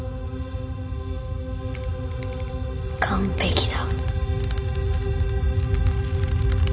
完璧だ。